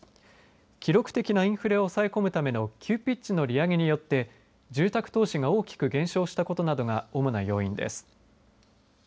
記録的なインフレを抑え込むための急ピッチの利上げによって住宅投資が大きく減少したことなどが主な要因です。